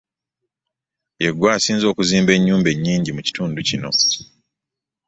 Ye gwe asinze okuzimba ennyumba ennnnnyingi mu kitundu kino.